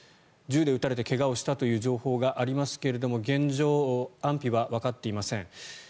銃で撃たれて怪我をしたという情報がありますが現状、安否はわかっていません。